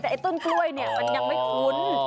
แต่ไอ้ต้นกล้วยเนี่ยมันยังไม่คุ้น